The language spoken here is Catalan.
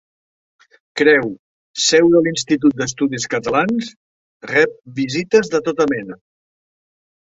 Creu, seu de l'Institut d'Estudis Catalans, rep visites de tota mena.